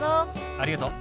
ありがとう。